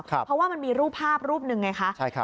เพราะว่ามันมีรูปภาพรูปหนึ่งไงคะ